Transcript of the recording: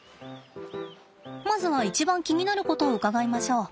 まずは一番気になることを伺いましょう。